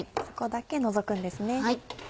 そこだけ除くんですね。